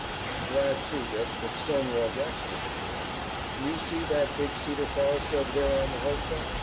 I'm glad, too, Dick, that Stonewall Jackson isn't here. Do you see that big cedar forest over there on the hillside?